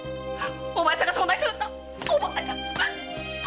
お前さんがそんな人だとは思ってなかった！